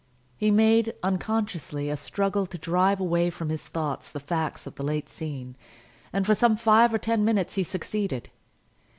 He made, unconsciously, a struggle to drive away from his thoughts the facts of the late scene, and for some five or ten minutes he succeeded.